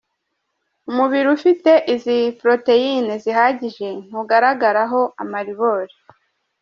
Umubiri ufite izi poroteyine zihagije ntugaragaraho amaribori.